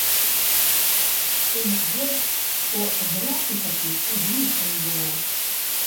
Тым больш, што грошай такіх і блізка не было.